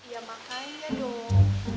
ya makanya dong